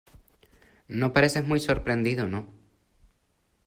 no pareces muy sorprendido, no.